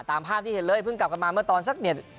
ตามภาพที่เห็นเลยเพิ่งกลับกันมาเมื่อตอนสักเนี่ย